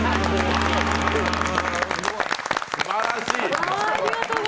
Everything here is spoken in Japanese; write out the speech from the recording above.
すばらしい。